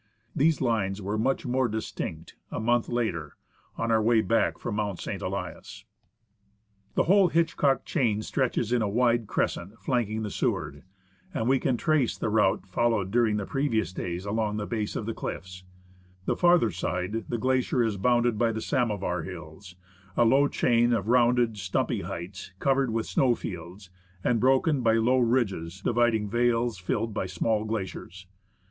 These lines were much more distinct a month later, on our way back from Mount St. Elias. The whole Hitchcock chain stretches in a wide crescent flanking the Seward, and we can trace the route followed during the 102 SEWARD GLACIER, DOME PASS, AND AGASSIZ GLACIER previous days along the base of the cliffs. The farther side the glacier is bounded by the Samovar Hills, a low chain of rounded, stumpy heights covered with snow fields, and broken by low ridges dividing vales filled by small glaciers.